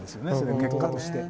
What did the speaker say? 結果として。